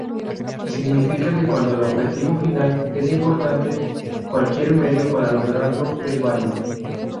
Significa que cuando el objetivo final es importante, cualquier medio para lograrlo es válido.